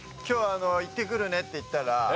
今日は「行ってくるね」って言ったら。